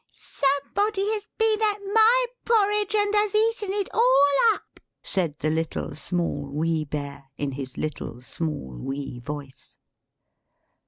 "=Somebody has been at my porridge and has eaten it all up!=" said the Little, Small, Wee Bear, in his little, small, wee voice.